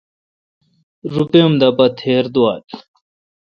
روپے اؙم دہ پہ تھیر دوال۔